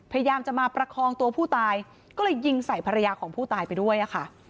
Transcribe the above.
พยายามจะมาประคองตัวผู้ตายก็เลยยิงใส่ภรรยาของผู้ตายไปด้วยอะค่ะ